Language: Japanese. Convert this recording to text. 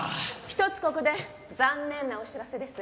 一つここで残念なお知らせです。